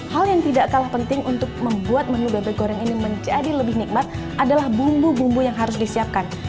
hal yang tidak kalah penting untuk membuat menu bebek goreng ini menjadi lebih nikmat adalah bumbu bumbu yang harus disiapkan